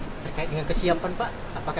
terkait dengan kesiapan pak